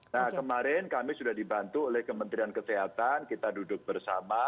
nah kemarin kami sudah dibantu oleh kementerian kesehatan kita duduk bersama